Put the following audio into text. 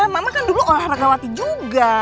mama kan dulu olahraga wati juga